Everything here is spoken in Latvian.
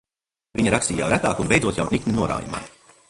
Viņa rakstīja jau retāk un beidzot jau nikni norāja mani.